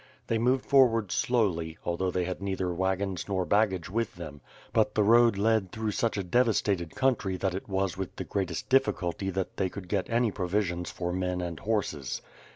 They moved forward slowly, although they had neither wag ons nor baggage with them; but the road led through such a devastated country that it was with the greatest difficulty that they could get any provisions for men and horses.